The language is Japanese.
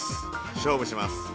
勝負します。